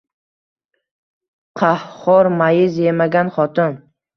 Qahxor, Mayiz yemagan xotin